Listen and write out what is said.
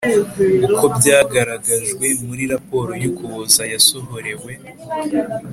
uko byagaragajwe muri raporo ya ukuboza yasohorewe